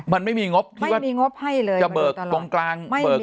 มันไม่มีงบไม่มีงบให้เลยจะเบิกตรงกลางไม่มีเลยค่ะ